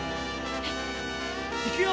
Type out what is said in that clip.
いくよ！